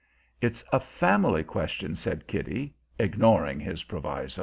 "It's a family question," said Kitty, ignoring his proviso.